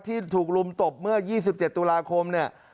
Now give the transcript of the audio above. ที่ถูกลุมตบเมื่อ๒๗ตุลาคมเนี่ย